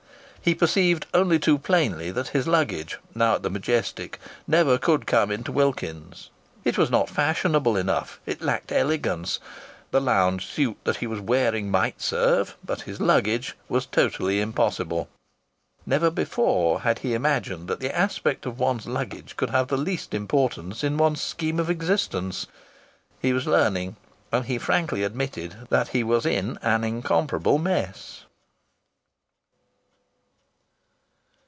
He perceived only too plainly that his luggage, now at the Majestic, never could come into Wilkins's. It was not fashionable enough. It lacked elegance. The lounge suit that he was wearing might serve, but his luggage was totally impossible. Never before had he imagined that the aspect of one's luggage could have the least importance in one's scheme of existence. He was learning, and he frankly admitted that he was in an incomparable mess.